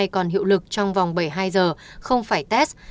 còn hiệu lực trong vòng bảy mươi hai giờ không phải test